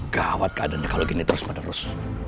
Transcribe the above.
gawat keadaannya kalau gini terus menerus